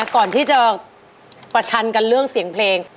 ก่อนที่จะประชันกันเรื่องเสียงเพลง